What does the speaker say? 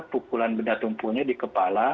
pukulan benda tumpulnya di kepala